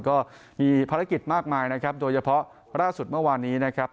ก็มีภารกิจมากมายนะครับโดยเฉพาะล่าสุดเมื่อวานนี้นะครับ